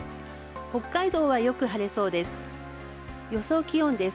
北海道はよく晴れそうです。